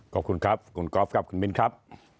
ขอบคุณครับคุณกอล์ฟครับคุณมิ้นครับ